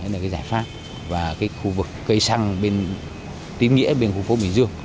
là cái giải pháp và cái khu vực cây xăng bên tín nghĩa bên khu phố bình dương